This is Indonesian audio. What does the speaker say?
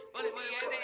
boleh boleh deh